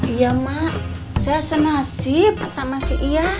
iya mak saya senasib sama si iya